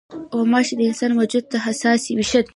غوماشې د انسان وجود ته حساس وي.